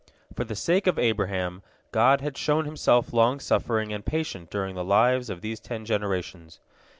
For the sake of Abraham God had shown himself long suffering and patient during the lives of these ten generations.